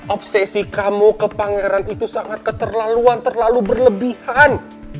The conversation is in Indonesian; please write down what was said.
obsesi kamu ke pangeran itu sangat keterlaluan terlalu berlebihan